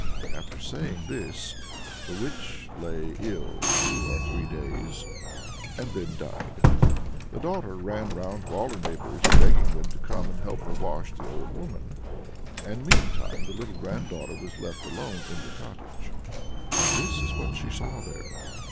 After saying this, the witch lay ill two or three days, and then died. The daughter ran round to all her neighbors, begging them to come and help her to wash the old woman, and meantime the little granddaughter was left all alone in the cottage. And this is what she saw there.